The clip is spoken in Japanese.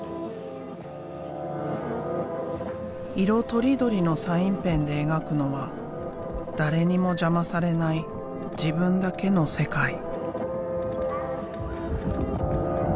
色とりどりのサインペンで描くのは誰にも邪魔されない自分だけの世界。